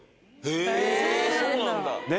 そうなんだ。